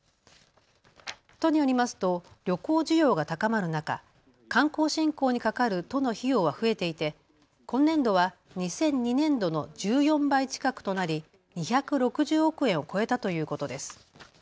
都によりますと旅行需要が高まる中、観光振興にかかる都の費用は増えていて今年度は２００２年度の１４倍近くとなり２６０億円を超えたということです。